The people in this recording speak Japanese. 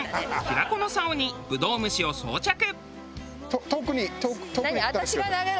平子のさおにブドウ虫を装着。